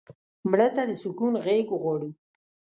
مړه ته د سکون غېږ غواړو